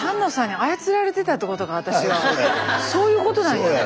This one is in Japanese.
そういうことなんや。